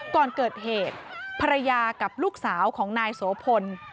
ก่อนเกิดเหตุภรรยากับลูกสาวของนายโสพล